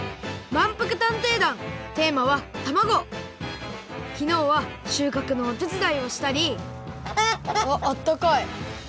まんぷく探偵団テーマはきのうはしゅうかくのおてつだいをしたりあっあったかい。